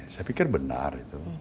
saya pikir benar